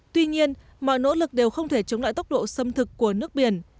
tuy nhiên mọi nỗ lực đều không thể chống lại tốc độ xâm thực của nước biển